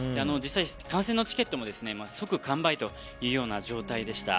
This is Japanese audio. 観戦のチケットも即完売というような状態でした。